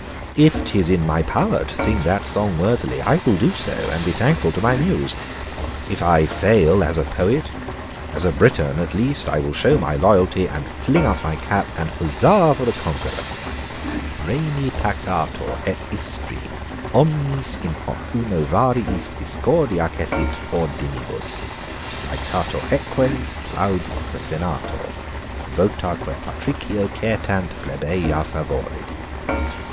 If 'tis in my power to sing that song worthily, I will do so, and be thankful to my Muse. If I fail as a poet, as a Briton at least I will show my loyalty, and fling up my cap and huzzah for the conqueror: "'Rheni pacator et Istri Omnis in hoc uno variis discordia cessit Ordinibus; laetatur eques, plauditque senator, Votaque patricio certant plebeia favori.'"